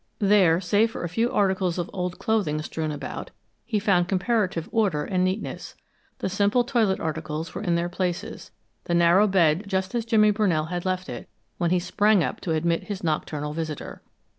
There, save for a few articles of old clothing strewn about, he found comparative order and neatness. The simple toilet articles were in their places, the narrow bed just as Jimmy Brunell had left it when he sprang up to admit his nocturnal visitor.